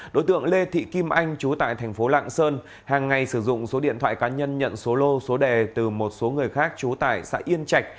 đối tượng lê thị kim anh chú tại tp lạng sơn hàng ngày sử dụng số điện thoại cá nhân nhận số lô số đẻ từ một số người khác chú tại xã yên trạch